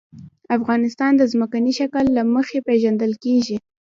افغانستان د ځمکنی شکل له مخې پېژندل کېږي.